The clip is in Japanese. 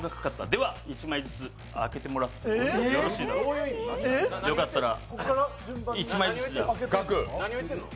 では１枚ずつ開けてもらってよろしいだろうか、よかったら１枚ずつ。